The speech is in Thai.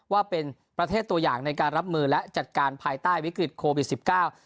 ว่าเป็นประเทศตัวอย่างในการรับมือและจัดการภายใต้วิกฤตโควิดสิบเก้า